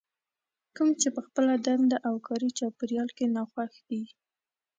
کوم چې په خپله دنده او کاري چاپېريال کې ناخوښ دي.